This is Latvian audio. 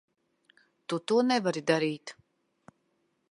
Tu to nevari darīt.